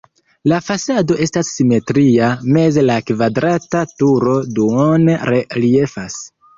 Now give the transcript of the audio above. La fasado estas simetria, meze la kvadrata turo duone reliefas.